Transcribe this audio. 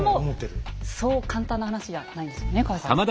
そう簡単な話じゃないんですよね河合先生。